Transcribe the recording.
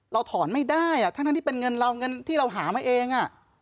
เราถอนไม่ได้ทั้งที่เป็นเงินเราเงินที่เราหามาเอง